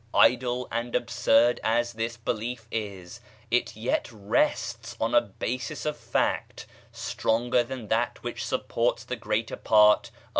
Idle and absurd as this belief is, it yet rests on a basis of fact stronger than that which supports the greater part of what 1 i.